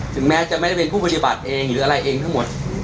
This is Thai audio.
ถึงแม้จะไม่ได้เป็นผู้ปฏิบัติเองหรืออะไรเองทั้งหมด